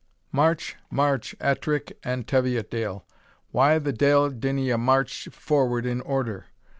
I. March, march, Ettrick and Teviotdale, Why the deil dinna ye march forward in order?